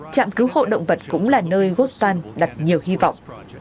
trạm cứu hộ động vật cũng là nơi gostan đặt nhiều hy vọng